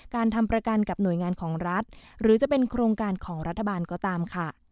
ทำประกันกับหน่วยงานของรัฐหรือจะเป็นโครงการของรัฐบาลก็ตามค่ะ